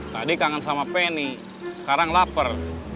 tadi kangen sama penny sekarang lapar